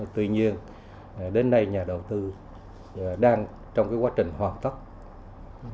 tuy nhiên đến nay nhà đầu tư đang trong quá trình hoàn tất các thủ tục